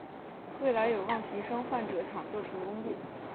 未来有望提升患者抢救成功率